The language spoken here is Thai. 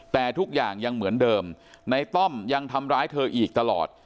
แต่ทุกอย่างยังเหมือนเดิมในต้อมยังทำร้ายเธออีกตลอด